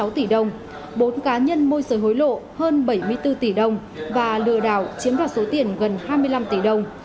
hai trăm hai mươi sáu tỷ đồng bốn cá nhân môi sở hối lộ hơn bảy mươi bốn tỷ đồng và lừa đảo chiếm đoạt số tiền gần hai mươi năm tỷ đồng